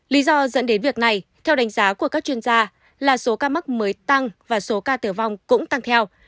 lý do dẫn đến việc này theo đánh giá của các chuyên gia là số ca mắc mới tăng và số ca tử vong cũng tăng theo